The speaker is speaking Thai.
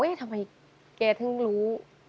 เฮ้ยทำไมแกทั้งรู้